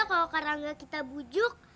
kalau karangga kita bujuk